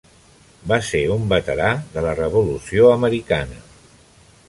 Va ser un veterà de la revolució americana.